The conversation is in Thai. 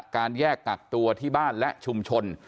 การแยกกักตัวที่บ้านและชุมชน